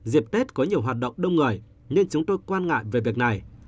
dịp tết có nhiều hoạt động đông người nên chúng tôi quan ngại về việc này